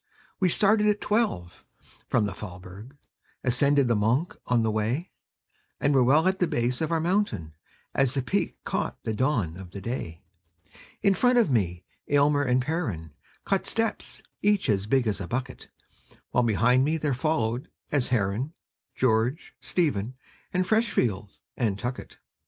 We started at twelve from the Faulberg; Ascended the Monch by the way; And were well at the base of our mountain, As the peak caught the dawn of the day. In front of me Almer and Perren Cut steps, each as big as a bucket; While behind me there followed, as Herren, George, Stephen, and Freshfield, and Tuckett.